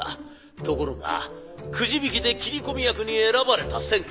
ところがくじ引きで斬り込み役に選ばれたセンが。